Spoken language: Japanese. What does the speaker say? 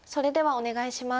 お願いします。